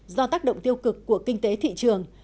do tác động tiêu cực của kinh tế thị trường